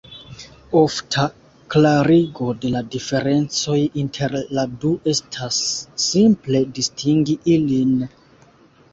Ofta klarigo de la diferencoj inter la du estas simple distingi ilin.